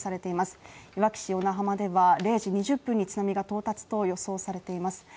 いわき市小名浜では０時２０分に津波が到達と予想されています。